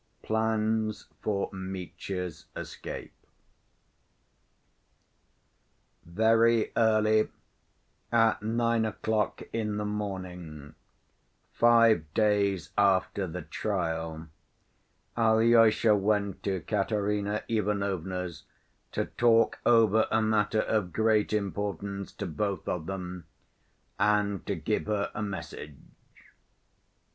Plans For Mitya's Escape Very early, at nine o'clock in the morning, five days after the trial, Alyosha went to Katerina Ivanovna's to talk over a matter of great importance to both of them, and to give her a message.